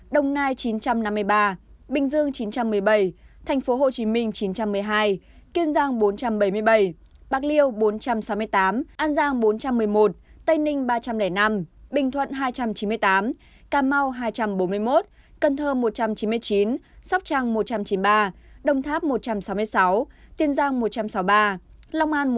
đồng nai chín trăm năm mươi ba bình dương chín trăm một mươi bảy tp hcm chín trăm một mươi hai kiên giang bốn trăm bảy mươi bảy bạc liêu bốn trăm sáu mươi tám an giang bốn trăm một mươi một tây ninh ba trăm linh năm bình thuận hai trăm chín mươi tám cà mau hai trăm bốn mươi một cần thơ một trăm chín mươi chín sóc trăng một trăm chín mươi ba đồng tháp một trăm sáu mươi sáu tiên giang một trăm sáu mươi ba long an một trăm bốn mươi